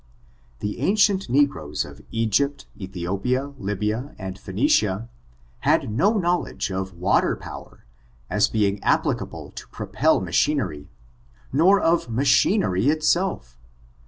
The ancient negroes of Egypt, Ethiopia, Lybia, and Phcenicia, had no knowledge of water power, as being applicable to propel machinery, nor of machin ery itself.